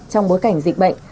trong bối cảnh dịch bệnh